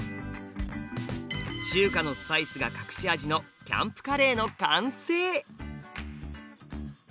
中華のスパイスが隠し味の「キャンプカレー」の完成。